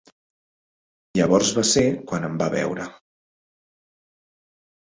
Llavors va ser quan em va veure.